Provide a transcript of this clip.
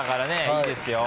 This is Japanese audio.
いいですよ。